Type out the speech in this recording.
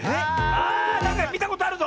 ああなんかみたことあるぞ！